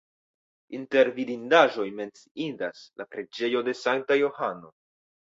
Inter vidindaĵoj menciindas la preĝejo de Sankta Johano.